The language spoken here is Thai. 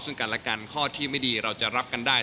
ซึ่งกันและกันข้อที่ไม่ดีเราจะรับกันได้